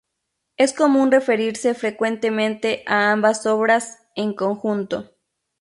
Es común referirse frecuentemente a ambas obras en conjunto.